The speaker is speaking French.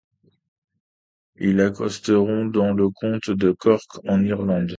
Ils accosteront dans le Comté de Cork en Irlande.